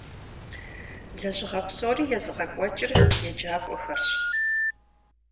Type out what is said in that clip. Лэжьыгъэ псори езыгъэкӀуэкӀыр еджакӀуэхэрщ.